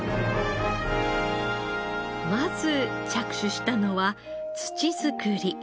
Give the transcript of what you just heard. まず着手したのは土作り。